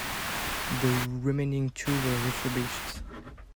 The remaining two were refurbished.